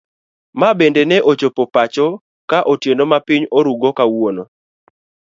Mabende ne ochopo pacho ka otieno ma piny oruu go kawuono.